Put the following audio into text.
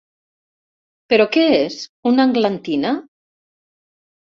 Però què és, una englantina?